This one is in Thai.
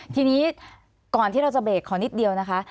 ทีนี้ก่อนที่เราจะเบรกขอนิดเดียวนะคะ